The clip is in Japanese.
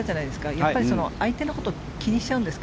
やっぱり相手のことを気にしちゃうんですか？